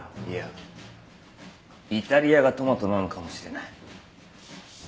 いやイタリアがトマトなのかもしれない。